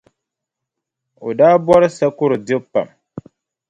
O daa bɔri sakɔro dibu pam.